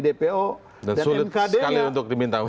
dpo dan mkd yang